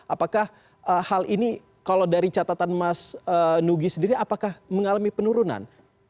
apakah hal ini kalau dari catatan mas nugi sendiri apakah mengalami penurunan